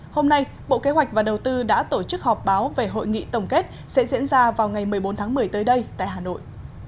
hôm nay bộ kế hoạch và đầu tư đã tổ chức họp báo về hội nghị tổng kết sẽ diễn ra vào ngày một mươi bốn tháng một mươi tới đây tại hà nội